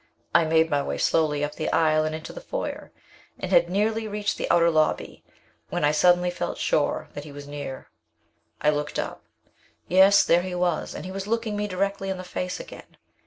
I made my way slowly up the aisle and into the foyer, and had nearly reached the outer lobby, when I suddenly felt sure that he was near. I looked up! Yes, there he was, and he was looking me directly in the face again.